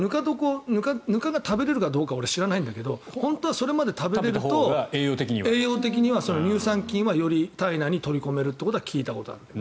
ぬかが食べれるかどうか俺は知らないんだけど本当はそれまで食べると栄養的には乳酸菌はより体内に取り込めるって聞いたことある。